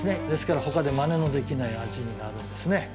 ですから、ほかのまねのできない味になるんですね。